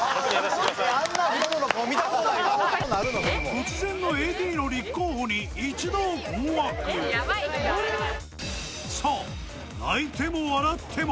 突然のＡＤの立候補にさあ泣いても笑っても